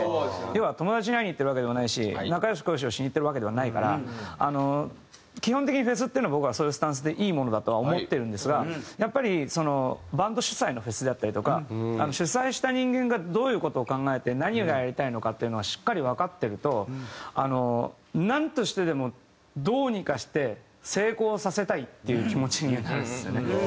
要は友達に会いに行ってるわけではないし仲良しこよしをしに行ってるわけではないから基本的にフェスっていうのは僕はそういうスタンスでいいものだとは思ってるんですがやっぱりそのバンド主催のフェスであったりとか主催した人間がどういう事を考えて何をやりたいのかっていうのがしっかりわかってるとなんとしてでもどうにかして成功させたいっていう気持ちにはなるんですよね。